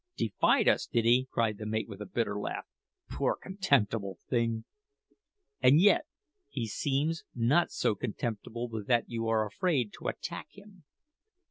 "Defied us! did he?" cried the mate with a bitter laugh. "Poor, contemptible thing!" "And yet he seems not so contemptible but that you are afraid to attack him."